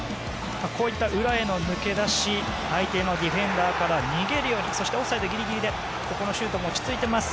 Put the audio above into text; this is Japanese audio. こういった裏への抜け出し相手のディフェンダーから逃げるようにオフサイドギリギリでシュートも落ち着いています。